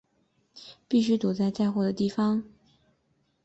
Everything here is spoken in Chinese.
必须躲在载货的地方